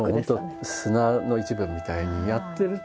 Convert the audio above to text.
砂の一部みたいにやってると。